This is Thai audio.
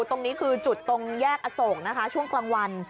ตรงนี้คือจุดตรงแยกอโศกนะคะช่วงกลางวัน